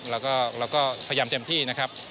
แล้วก็พยายามเต็มที่นะครับ